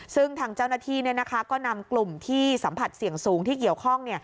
ซึ่งทางเจ้าหน้าที่ก็นำกลุ่มที่สัมผัสเสี่ยงสูงที่เกี่ยวข้อง